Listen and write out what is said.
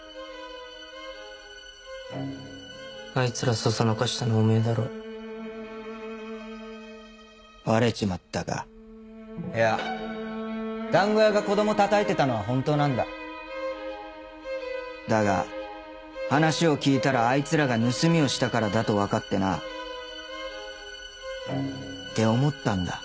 あいつら唆したのおめぇだろバレちまったかいやだんご屋が子どもたたいてたのは本当なんだだが話を聞いたらあいつらが盗みをしたからだと分かってなで思ったんだ